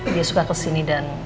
dia suka kesini dan